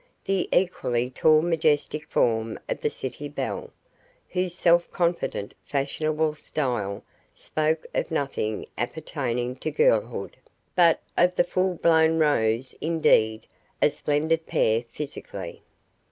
The equally tall majestic form of the city belle, whose self confident fashionable style spoke of nothing appertaining to girlhood, but of the full blown rose indeed, a splendid pair physically!